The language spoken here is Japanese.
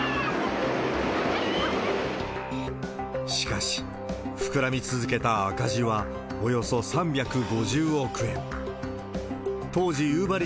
しかし、膨らみ続けた赤字はおよそ３５０億円。